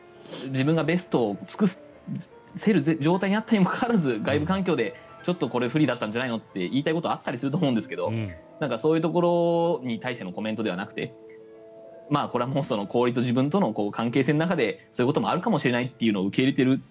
自分がベストを尽くせる状態にあったにもかかわらず外部状況でこれ、ちょっと不利だったんじゃないのって言いたいことはあったりすると思うんですがそういうところに対してのコメントじゃなくてこれは氷と自分との関係性の中でそういうこともあるかもしれないと受け入れている。